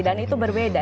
dan itu berbeda